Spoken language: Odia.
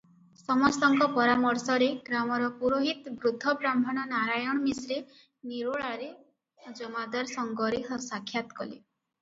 ସମସ୍ତଙ୍କ ପରାମର୍ଶରେ ଗ୍ରାମର ପୁରୋହିତ ବୃଦ୍ଧ ବ୍ରାହ୍ମଣ ନାରାୟଣ ମିଶ୍ରେ ନିରୋଳାରେ ଜମାଦାର ସଙ୍ଗରେ ସାକ୍ଷାତ କଲେ ।